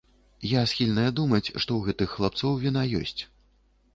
Я схільная думаць, што ў гэтых хлапцоў віна ёсць.